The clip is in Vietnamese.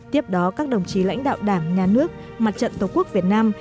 tiếp đó các đồng chí lãnh đạo đảng nhà nước mặt trận tổ quốc việt nam